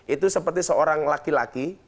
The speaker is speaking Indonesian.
itu seperti seorang laki laki